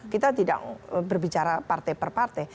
kita tidak berbicara partai per partai